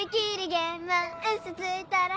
げんまんうそついたら